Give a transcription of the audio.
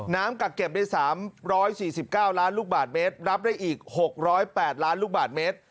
กักเก็บได้๓๔๙ล้านลูกบาทเมตรรับได้อีก๖๐๘ล้านลูกบาทเมตร